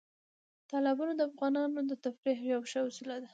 تالابونه د افغانانو د تفریح یوه ښه وسیله ده.